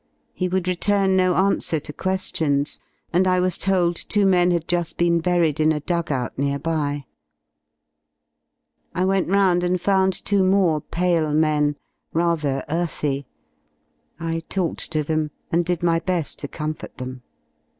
He would return no answer to que^ions, and I was told two men had ju^ been buried in a dug out near by. I went round and found two more pale men, rather earthy. I talked to them and did my be^ to comfort them.